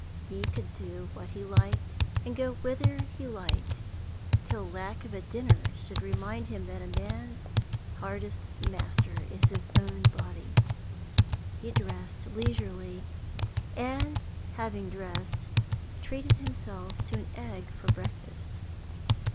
He could do what he liked and go whither he liked, till lack of a dinner should remind him that a man's hardest master is his own body. He dressed leisurely, and, having dressed, treated himself to an egg for breakfast.